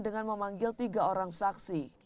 dengan memanggil tiga orang saksi